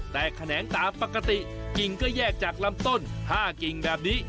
แต่แขนงตามปกติกิ่งก็แยกจากลำต้น๕กิ่งแบบนี้